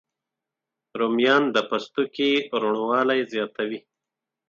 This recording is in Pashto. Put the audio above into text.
رومیان د پوستکي روڼوالی زیاتوي